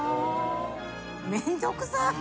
めんどくさい。